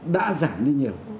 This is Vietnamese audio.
đã giảm đi nhiều